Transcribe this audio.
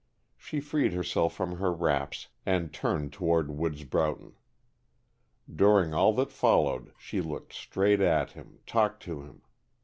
She freed herself from her wraps, and turned toward Woods Broughton. During all that followed she looked straight at him, talked to him.